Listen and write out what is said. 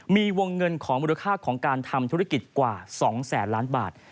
มีวงเงินของมูลค่าของการทำธุรกิจกว่า๒แสนล้านบาท